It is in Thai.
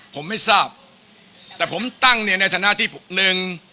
ผมไม่ทราบแต่ผมตั้งเนี่ยในฐานะที่หนึ่ง